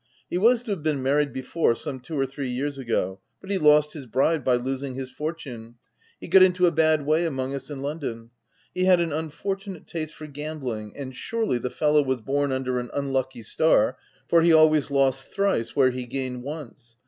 He was to have been married before, some two or three years ago ; but he lost his bride by losing his fortune. He got into a bad way among us in London : he had an unfor tunate taste for gambling ; and surely the fellow was born under an unlucky star, for he always lost thrice were he gained once.